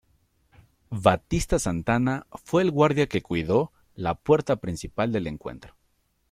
Batista Santana fue el guardia que cuidó la puerta principal del encuentro.